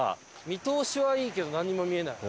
見通しはいいけどなんにも見えない。